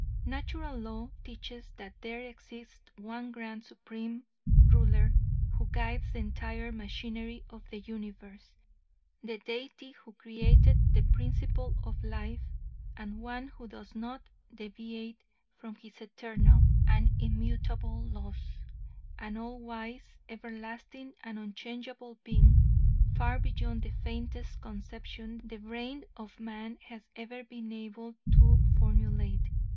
"Natural Law teaches that there exists on grand supreme ruler who guides the entire machinery of the universe; the Deity who created the principle of life, and one who does not deviate from His eternal and immutable laws; an all wise, everlasting and unchangeable being far beyond the faintest conception the brain of man has ever been able to formulate.